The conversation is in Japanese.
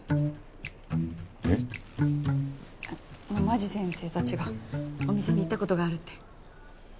間地先生たちがお店に行った事があるって。